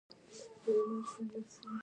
د منفي کردار په ذريعه د صمد په نوم